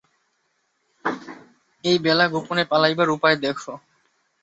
এই বেলা গােপনে পালাইবার উপায় দেখ।